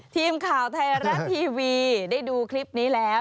ทีมข่าวไทยรัฐทีวีได้ดูคลิปนี้แล้ว